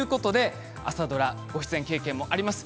朝ドラご出演経験もあります